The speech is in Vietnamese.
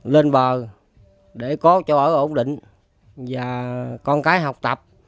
lên bờ để có chỗ ở ổn định và con cái học tập